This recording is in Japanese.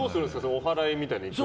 おはらいみたいなのは。